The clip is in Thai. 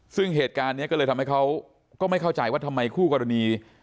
ซึ่งเหตุการณ์นี้ก็เลยทำให้เขาก็ไม่เข้าใจว่าทำไมคู่กรณี